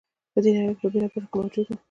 په نړۍ په بېلابېلو برخو کې موجود و